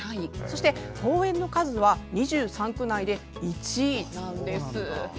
そして、公園の数は２３区内で１位なんです。